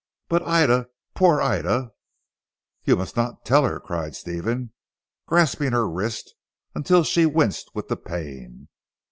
But Ida, poor Ida!" "You must not tell her," cried Stephen grasping her wrist until she winced with the pain.